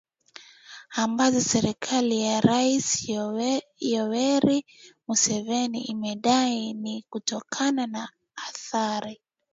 ambazo serikali ya Rais Yoweri Museveni imedai ni kutokana na athari